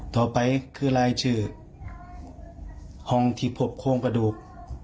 ต่อไปคือรายชื่อห้องที่พบโครงกระดูก